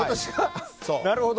なるほど。